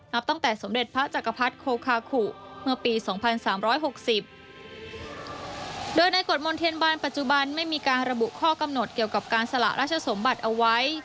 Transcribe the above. ตั้งแต่สมเด็จพระจักรพรรดิโคคาขุเมื่อปีสองพันสามร้อยหกสิบโดยในกฎมนเทียนบานปัจจุบันไม่มีการระบุข้อกำหนดเกี่ยวกับการสละราชสมบัติเอาไว้